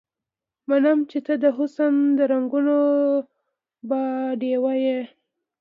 منم چې ته د حسن د رنګونو باډيوه يې